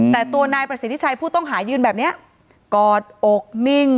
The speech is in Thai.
แต่ตัวนายประสิทธิชัยผู้ต้องหายืนแบบนี้กอดอกนิ่ง